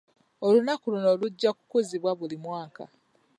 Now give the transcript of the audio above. Olunaku luno lujja kukuzibwanga buli mwaka.